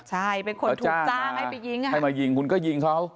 ใช่เป็นคนถูกจ้างให้ไปยิงอ่ะให้มายิงคุณก็ยิงเขา